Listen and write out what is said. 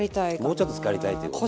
もうちょっとつかりたいということで。